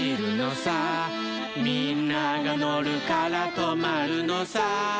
「みんながのるからとまるのさ」